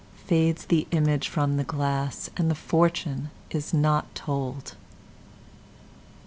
Fades the image from the glass, And the fortune is not told.